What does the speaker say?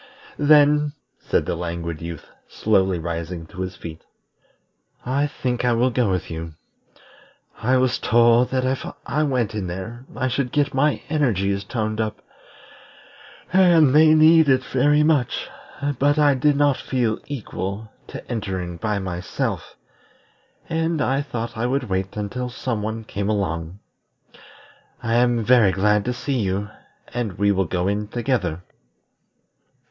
"Then," said the Languid Youth, slowly rising to his feet, "I think I will go with you. I was told that if I went in there I should get my energies toned up, and they need it very much; but I did not feel equal to entering by myself, and I thought I would wait until some one came along. I am very glad to see you, and we will go in together."